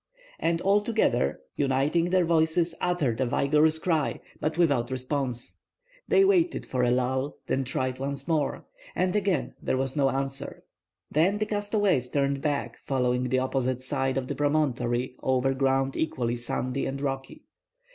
And all together, uniting their voices, uttered a vigorous cry, but without response. They waited for a lull, and tried once more. And again there was no answer. Then the castaways turned back, following the opposite side of the promontory over ground equally sandy and rocky.